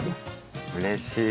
うれしい！